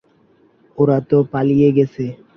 ওরা তো পালিয়ে গেছে।